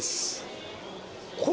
これ？